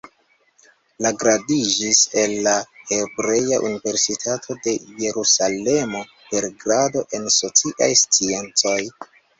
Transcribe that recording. Li gradiĝis el la Hebrea Universitato de Jerusalemo per grado en sociaj sciencoj.